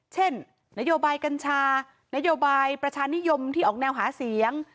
เช่นนโยบายกัญชานโยบายประชานิยมที่ออกแนวหาเสียง